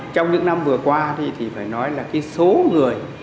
trong những năm vừa qua thì phải nói là cái số người